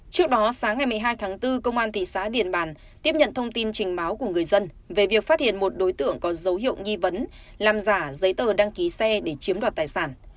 trước đó sáng ngày một mươi hai tháng bốn công an thị xã điện bàn tiếp nhận thông tin trình báo của người dân về việc phát hiện một đối tượng có dấu hiệu nghi vấn làm giả giấy tờ đăng ký xe để chiếm đoạt tài sản